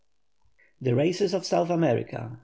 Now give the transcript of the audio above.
THE RACES OF SOUTH AMERICA.